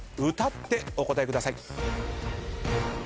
歌ってお答えください。